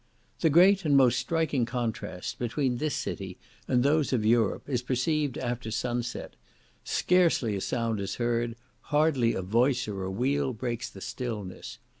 The great and most striking contrast between this city and those of Europe, is perceived after sunset; scarcely a sound is heard; hardly a voice or a wheel breaks the stillness.